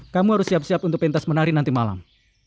kamu harus siap siap untuk pentas menari nanti malam